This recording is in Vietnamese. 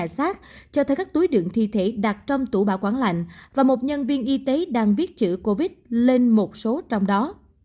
xác cho thấy các túi đựng thi thể đặt trong tủ bảo quản lạnh và một nhân viên y tế đang viết chữ covid lên một số trong đó